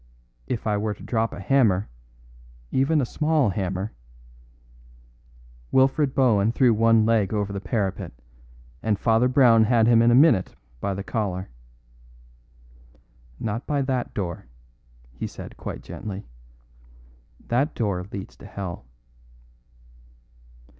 If I were to drop a hammer even a small hammer " Wilfred Bohun threw one leg over the parapet, and Father Brown had him in a minute by the collar. "Not by that door," he said quite gently; "that door leads to hell."